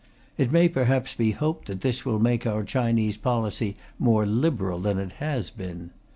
It may perhaps be hoped that this will make our Chinese policy more liberal than it has been.